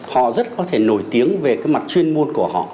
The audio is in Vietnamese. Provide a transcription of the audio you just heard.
họ rất có thể nổi tiếng về cái mặt chuyên môn của họ